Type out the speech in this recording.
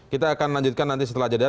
kita akan lanjutkan nanti setelah jeda